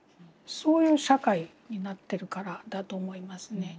そういう社会になってるからだと思いますね。